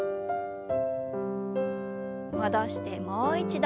戻してもう一度。